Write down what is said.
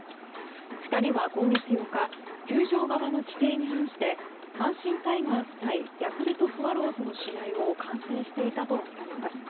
２人は今月８日球場側の規定に反して阪神タイガース対ヤクルトスワローズの試合を観戦していたとみられます。